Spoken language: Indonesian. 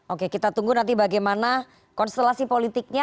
oke kita tunggu nanti bagaimana konstelasi politiknya